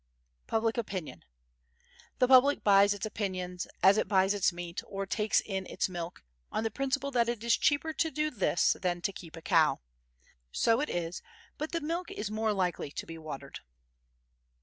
Public Opinion The public buys its opinions as it buys its meat, or takes in its milk, on the principle that it is cheaper to do this than to keep a cow. So it is, but the milk is more likely to be watered.